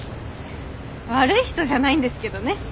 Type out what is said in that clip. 悪い人じゃないんですけどね。